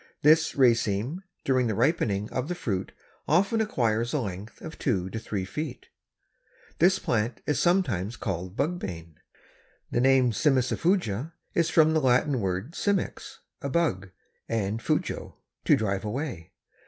This raceme during the ripening of the fruit often acquires a length of two to three feet. This plant is sometimes called Bugbane. The name Cimicifuga is from the Latin words cimex, a bug, and fugo, to drive away.